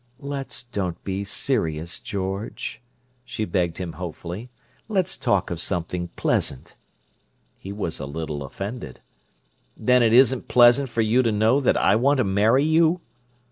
"Let's don't be serious, George," she begged him hopefully. "Let's talk of something pleasant." He was a little offended. "Then it isn't pleasant for you to know that I want to marry you?"